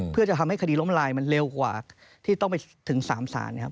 เพื่อจะทำให้คดีล้มลายมันเร็วกว่าที่ต้องไปถึง๓ศาลนะครับ